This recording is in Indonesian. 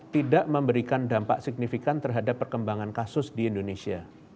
tidak memberikan dampak signifikan terhadap perkembangan kasus di indonesia